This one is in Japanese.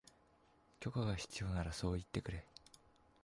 許可が必要ならそう言ってくれ